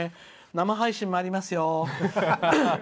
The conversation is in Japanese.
生配信もありますよ。